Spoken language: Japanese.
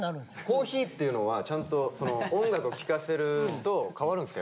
コーヒーっていうのはちゃんとその音楽を聴かせると変わるんですか？